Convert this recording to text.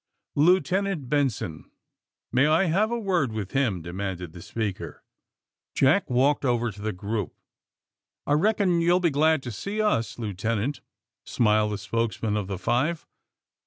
'* Lieutenant Benson." *^May I have a word with him!" demanded the speaker. Jack walked over to the group. *^I reckon you'll be glad to see us, Lieuten ant," smiled the spokesman of the five.